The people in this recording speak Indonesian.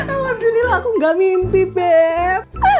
alhamdulillah aku gak mimpi beb